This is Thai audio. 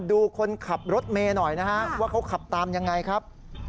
ดูคนขับรถเมย์หน่อยนะฮะว่าเขาขับตามยังไงครับ